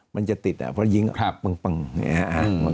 มันจะติดอ่ะเพราะยิงปัง